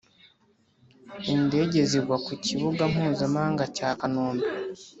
indege zigwa ku bibuga mpuzamahanga cya kanombe